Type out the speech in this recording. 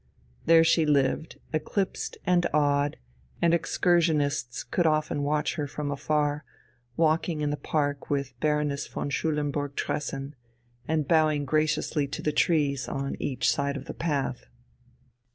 There she lived, eclipsed and odd, and excursionists could often watch her from afar, walking in the park with Baroness von Schulenburg Tressen, and bowing graciously to the trees on each side of the path.